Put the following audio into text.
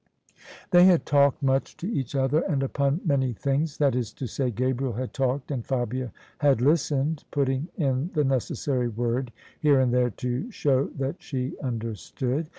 They had talked much to each other, and upon many things: that is to say, Gabriel had talked and Fabia had listened, putting in the necessary word here and there to show that she understood.